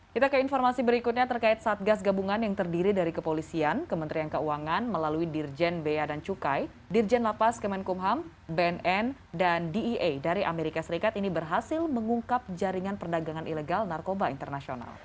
kita ke informasi berikutnya terkait satgas gabungan yang terdiri dari kepolisian kementerian keuangan melalui dirjen bea dan cukai dirjen lapas kemenkumham bnn dan dea dari amerika serikat ini berhasil mengungkap jaringan perdagangan ilegal narkoba internasional